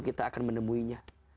kita akan menemuinya